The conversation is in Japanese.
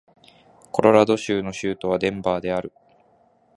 コロラド州の州都はデンバーである